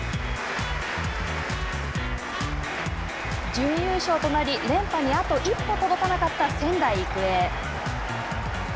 準優勝となり連覇にあと一歩届かなかった仙台育英。